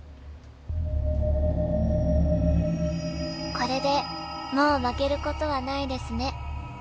「これでもう負けることはないですね」